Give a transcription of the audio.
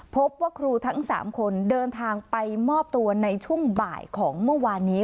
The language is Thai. พบว่าครูทั้ง๓คนเดินทางไปมอบตัวในช่วงบ่ายของเมื่อวานนี้